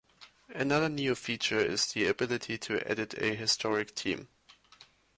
Another new feature is the ability to edit a historic team.